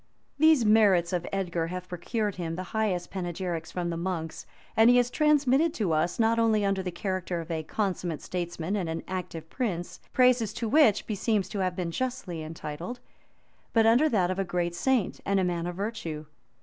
[*] These merits of Edgar have procured him the highest panegyrics from the monks; and he is transmitted to us, not only under the character of a consummate statesman and an active prince, praises to which beseems to have been justly entitled, but under that of a great saint and a man of virtue.